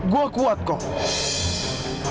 gue kuat kok